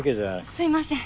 すいません。